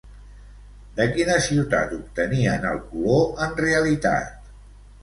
De quina ciutat obtenien el color, en realitat?